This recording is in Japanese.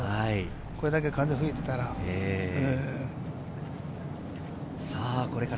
これだけ風が吹いていたら。